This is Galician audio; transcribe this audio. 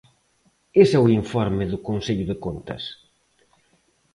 Ese é o informe do Consello de Contas.